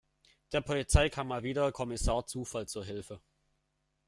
Der Polizei kam mal wieder Kommissar Zufall zur Hilfe.